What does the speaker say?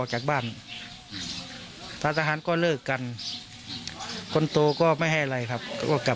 จะเสียใจนิดครับ